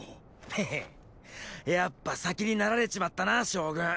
へへやっぱ先になられちまったな将軍。